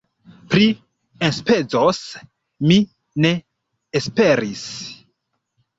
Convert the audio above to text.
Pri enspezoj mi ne esperis.